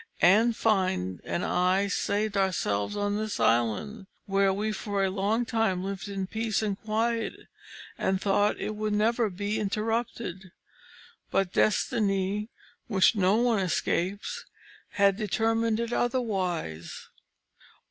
Andfind and I saved ourselves on this island, where we for a long time lived in peace and quiet, and thought it would never be interrupted. But destiny which no one escapes, had determined it otherwise.